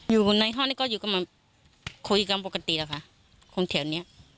อยู่ในห้องนี้คือยังมีมีคุยกันบุคคลีกันแล้วกันค่ะ